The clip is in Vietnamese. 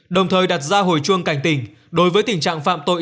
đồng thời đặt ra hồi chuông cảnh tỉnh đối với tình trạng phạm tội